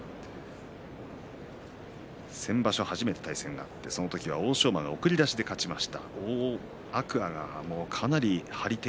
先場所初めて対戦があってその時は欧勝馬が送り出しで勝ちました。